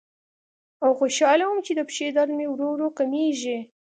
او خوشاله وم چې د پښې درد مې ورو ورو کمیږي.